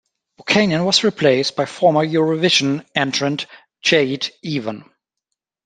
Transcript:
Buchanan was replaced by former-Eurovision entrant Jade Ewen.